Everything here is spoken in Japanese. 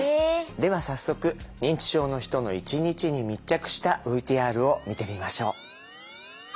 では早速認知症の人の一日に密着したＶＴＲを見てみましょう。